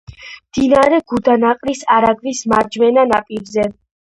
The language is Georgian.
მდინარე გუდამაყრის არაგვის მარჯვენა ნაპირზე.